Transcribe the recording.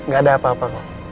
gak ada apa apa